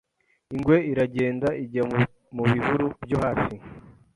Ingwe iragenda Ijya mu bihuru byo hafi